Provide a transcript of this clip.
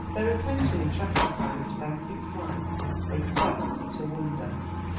Their attention attracted by his frantic flight, they stopped to wonder.